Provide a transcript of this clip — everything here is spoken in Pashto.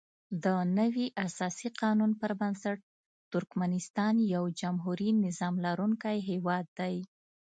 دنوي اساسي قانون پر بنسټ ترکمنستان یو جمهوري نظام لرونکی هیواد دی.